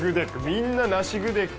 みんなナシグデッグ。